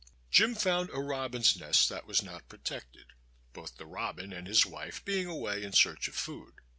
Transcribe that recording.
Jim found a robin's nest that was not protected, both the robin and his wife being away in search of food.